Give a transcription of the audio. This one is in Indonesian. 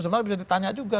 sebenarnya bisa ditanya juga